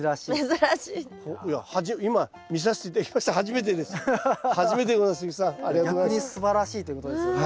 逆にすばらしいということですよね。